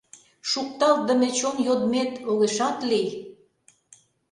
Шукталтдыме чонйодмет огешат лий.